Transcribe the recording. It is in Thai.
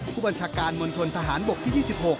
ผู้บัญชาการมณฑนทหารบกที่ที่๑๖